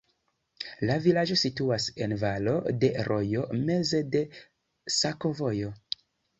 La vilaĝo situas en valo de rojo, meze de sakovojo.